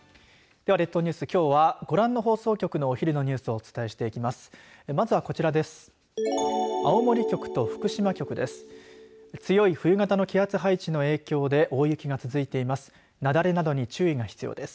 では、列島ニュースきょうはご覧の放送局のお昼のニュースをお伝えしていきます。